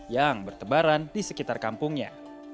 yang bertebaran di sekitar kampungnya